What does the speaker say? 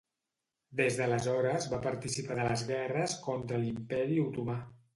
Des d'aleshores va participar de les guerres contra l'Imperi Otomà.